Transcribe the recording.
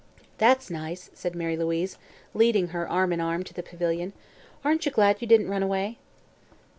"That's nice," said Mary Louise, leading her, arm in arm, to the pavilion. "Aren't you glad you didn't run away?"